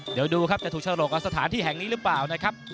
เดี๋ยวดูครับจะถูกเฉลงเมื่อสถานที่ห่างนี้รึป่าว